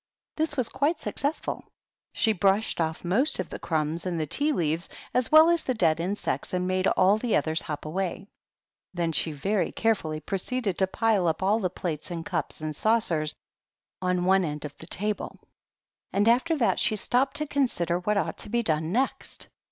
This was quite successful ; she brushed off most of the crumbs and tea leaves, as well as the dead insects, and made all the others hop away. Then she very carefully proceeded to pile up all the plates and cups and saucers on one end of the THE TEA TABLE. 55 table ; and after that she stopped to consider what ought to be done next.